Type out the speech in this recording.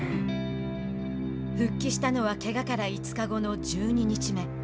復帰したのはけがから５日後の１２日目。